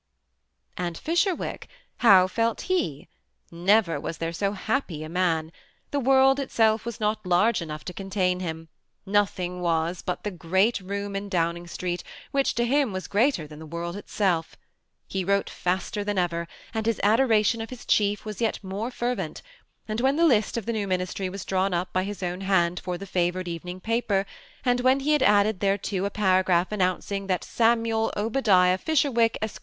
And Fisherwick I how felt he ? Never was there so happj a man ; the world was not large enough to con tain him, nothing was bat the great room in Downing Street, which to him was greater than the world itself. He wrote faster than ever, and his adoration of his chief wa!) yet more fervent; and when the list of the new ministry was drawn up by his own hand for the favored evening paper, and when he had added thereto a para graph announcing that Samuel Obadiah Fisherwick, Esq.